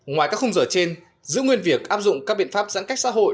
ngoài các khung giờ trên giữ nguyên việc áp dụng các biện pháp giãn cách xã hội